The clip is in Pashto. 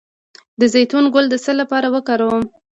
د زیتون ګل د څه لپاره وکاروم؟